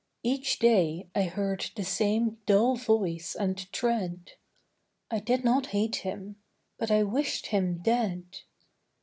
Each day I heard the same dull voice and tread; I did not hate him: but I wished him dead.